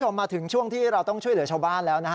มาถึงช่วงที่เราต้องช่วยเหลือชาวบ้านแล้วนะฮะ